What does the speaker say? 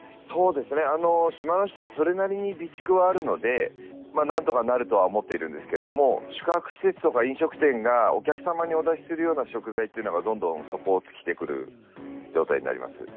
島の人はそれなりに備蓄はあるのでなんとかなるとは思ってるんですけど宿泊施設とか飲食店がお客様にお出しするような食材がどんどん底を突いてくる状態になります。